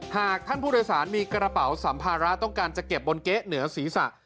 หากท่านผู้โดยสารมีกระเป๋าสัมภาระต้องการจะเก็บบนเก๊ะเหนือศีรษะ